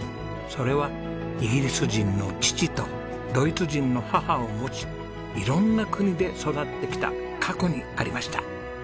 それはイギリス人の父とドイツ人の母を持ち色んな国で育ってきた過去にありました。